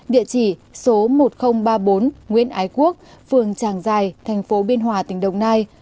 địa chỉ số một nghìn ba mươi bốn nguyễn ái quốc phường tràng giài thành phố biên hòa tỉnh đồng nai